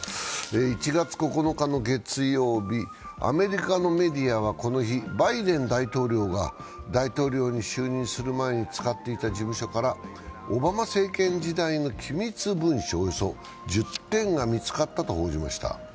１月９日の月曜日、アメリカのメディアはこの日、バイデン大統領が大統領に就任する前に使っていた事務所からオバマ政権時代の機密文書およそ１０点が見つかったと報じました。